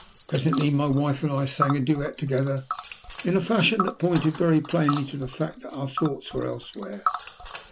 Presently my wife and I sang a duet together, in a fashion that pointed very plainly to the fact that our thoughts were elsewhere.